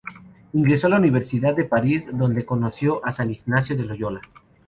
Ingresó en la Universidad de París donde conoció a san Ignacio de Loyola.